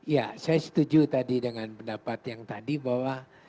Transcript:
ya saya setuju tadi dengan pendapat yang tadi bahwa